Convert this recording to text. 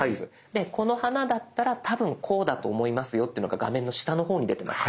でこの花だったら多分こうだと思いますよっていうのが画面の下の方に出てます。